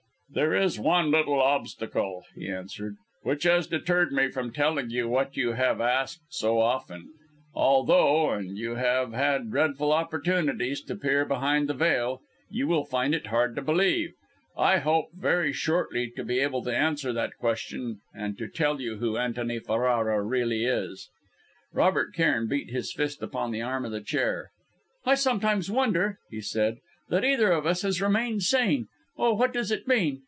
"There is one little obstacle," he answered, "which has deterred me from telling you what you have asked so often. Although and you have had dreadful opportunities to peer behind the veil you will find it hard to believe, I hope very shortly to be able to answer that question, and to tell you who Antony Ferrara really is." Robert Cairn beat his fist upon the arm of the chair. "I sometimes wonder," he said, "that either of us has remained sane. Oh! what does it mean?